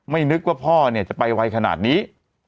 นึกว่าพ่อเนี่ยจะไปไวขนาดนี้